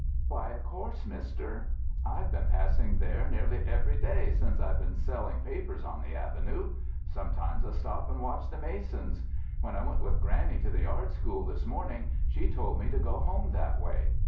"Why, of course, Mister. I've been passing there nearly every day since I've been selling papers on the avenue. Sometimes I stop and watch the masons. When I went with Granny to the art school this morning, she told me to go home that way.